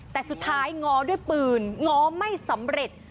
แต่สุดท้ายง้อด้วยปืนง้อไม่สำเร็จ